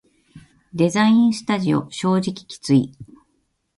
デザインスタジオ正直きつい